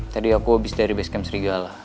tadi aku abis dari basecamp serigala